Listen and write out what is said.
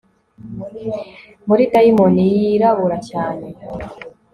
muri dayimoni yirabura cyane